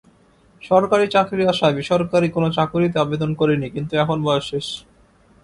সরকারি চাকরির আশায় বেসরকারি কোন চাকুরিতে আবেদন করিনি কিন্তু এখন বয়স শেষ।